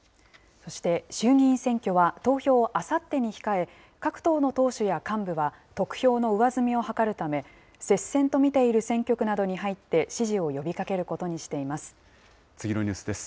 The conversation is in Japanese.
そして、衆議院選挙は投票をあさってに控え、各党の党首や幹部は、得票の上積みを図るため、接戦と見ている選挙区などに入って、支持を呼びかけることにしています。